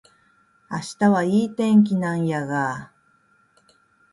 明日はいい天気なんやが